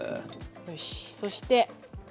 よしそして。